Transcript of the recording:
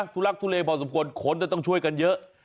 ทุลักทุเลพอสมควรคนจะต้องช่วยกันเยอะ